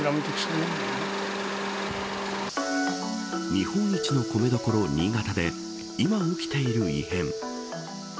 日本一の米どころ、新潟で今起きている異変。